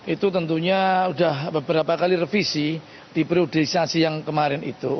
itu tentunya sudah beberapa kali revisi di priorisasi yang kemarin itu